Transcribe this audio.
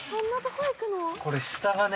これ下がね